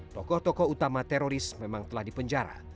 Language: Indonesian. tokoh tokoh utama teroris memang telah dipenjara